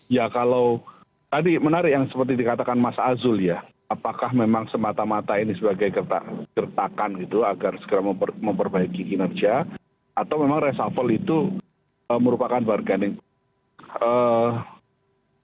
ya kalau tadi menarik yang seperti dikatakan mas azul ya apakah memang semata mata ini sebagai gertakan gitu agar segera memperbaiki kinerja atau memang resafel itu merupakan bargaining